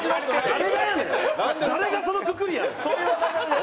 誰がそのくくりやねん！